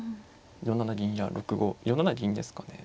４七銀や６五４七銀ですかね。